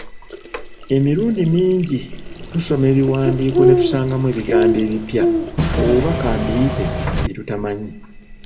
Emirundi mingi tusoma ebiwandiiko ne tusangamu ebigambo ebipya oba ka mbiyite bye tutamanyi.